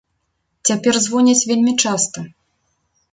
Цяпер звоняць вельмі часта.